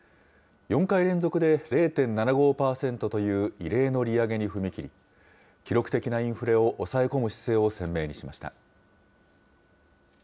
４回連続で０．７５％という異例の利上げに踏み切り、記録的なインフレを抑え込む姿勢を鮮明にしました。